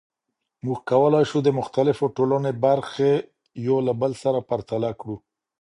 موږ کولای سو د مختلفو ټولنو برخې یو له بل سره پرتله کړو.